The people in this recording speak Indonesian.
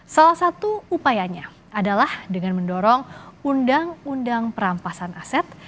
salah satu upayanya adalah dengan mendorong undang undang perampasan aset